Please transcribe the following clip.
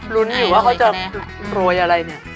รุ้นอยู่ว่าเขาจะรวยอะไรเนี่ย